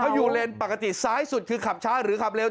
เขาอยู่เลนปกติซ้ายสุดคือขับช้าหรือขับเร็ว